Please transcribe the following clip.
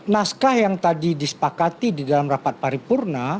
naskah yang tadi disepakati di dalam rapat paripurna